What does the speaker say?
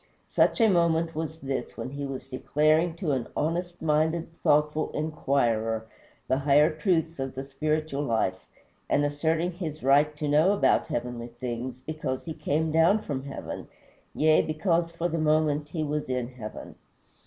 Such a moment was this, when he was declaring to an honest minded, thoughtful inquirer the higher truths of the spiritual life, and asserting his right to know about heavenly things, because he came down from heaven yea, because for the moment he was in heaven.